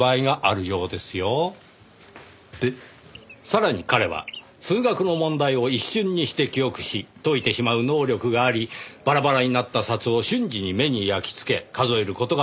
さらに彼は数学の問題を一瞬にして記憶し解いてしまう能力がありバラバラになった札を瞬時に目に焼きつけ数える事が出来た。